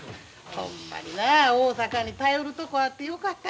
ほんまになあ大阪に頼るとこあってよかった。